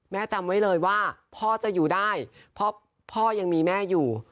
จำไว้เลยว่าพ่อจะอยู่ได้เพราะพ่อยังมีแม่อยู่